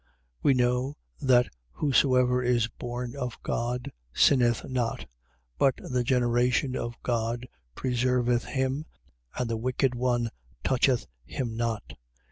5:18. We know that whosoever is born of God sinneth not: but the generation of God preserveth him and the wicked one toucheth him not.